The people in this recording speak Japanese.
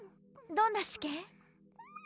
どんな試験？